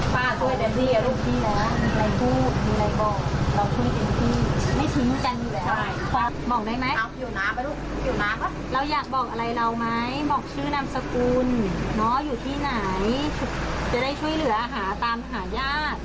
จะชี้อย่างเดียว